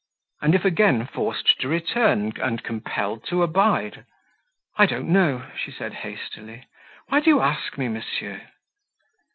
"And if again forced to return, and compelled to abide?" "I don't know," she said, hastily. "Why do you ask me, monsieur?"